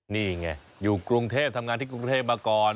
นี่ไงอยู่กรุงเทพทำงานที่กรุงเทพมาก่อน